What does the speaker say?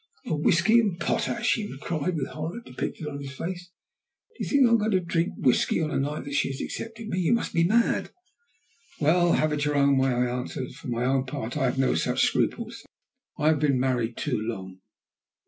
"A whisky and potash?" he cried, with horror depicted on his face. "Do you think I'm going to drink whisky on the night that she has accepted me? You must be mad." "Well, have your own way," I answered. "For my own part, I have no such scruples. I have been married too long."